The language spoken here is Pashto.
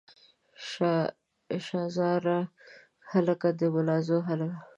شاه زار هلکه د ملازو هلکه.